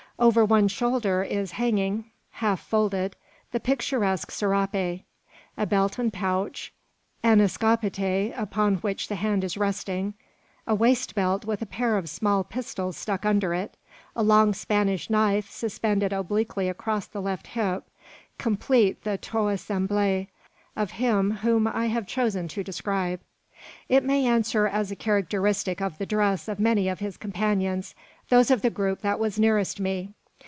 Over one shoulder is hanging, half folded, the picturesque serape. A belt and pouch, an escopette upon which the hand is resting, a waist belt with a pair of small pistols stuck under it, a long Spanish knife suspended obliquely across the left hip, complete the tout ensemble of him whom I have chosen to describe. It may answer as a characteristic of the dress of many of his companions, those of the group that was nearest me.